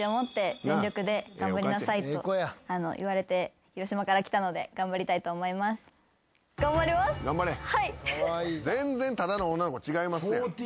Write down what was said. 全然ただの女の子違いますやん。